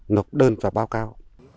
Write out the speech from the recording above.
nộp đơn và báo cáo